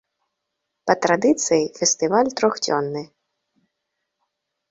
Па традыцыі фестываль трохдзённы.